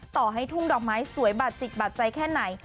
ต่อให้ทุ่งดอกไม้สวยบาดจิตบาดใจแค่ไหน